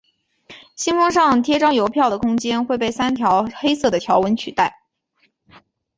信封上张贴邮票的空间会被三条黑色的条纹取代。